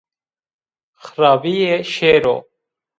Xirabîye şêro